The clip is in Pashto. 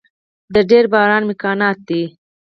د ډیر باران امکانات دی